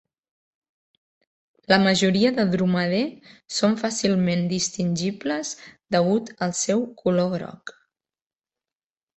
La majoria de Dromader són fàcilment distingibles degut al seu color groc.